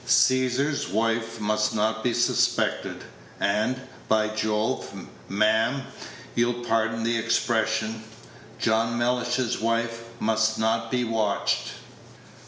Cæsar's wife must not be suspected, and, by Jove, ma'am you'll pardon the expression John Mellish's wife must not be watched."